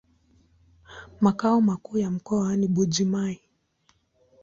Makao makuu ya mkoa ni Mbuji-Mayi.